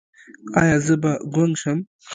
ایا زه به ګونګ شم؟